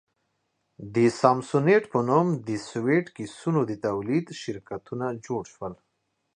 د سامسونیټ په نوم د سویټ کېسونو د تولید شرکتونه جوړ شول.